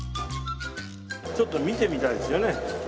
ちょっと見てみたいですよね。